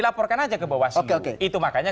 laporkan aja ke bawah oke oke itu makanya